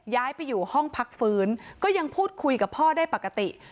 ย้ายไปอยู่ห้องพักฟื้นก็ยังพูดคุยกับพ่อได้ปกติ